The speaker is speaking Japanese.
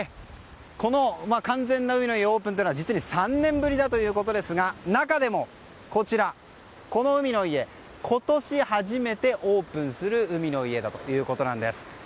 完全な海の家のオープンというのは実に３年ぶりだということですが中でもこちら、この海の家今年初めてオープンする海の家だということです。